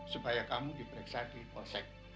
supaya kamu diperiksa di polsek